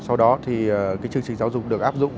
sau đó thì cái chương trình giáo dục được áp dụng